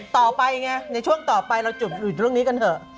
ต่อไปไงในช่วงต่อไปเราจุดอื่นเรื่องนี้กันเถอะ